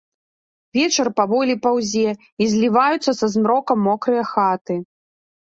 Вечар паволі паўзе, і зліваюцца са змрокам мокрыя хаты.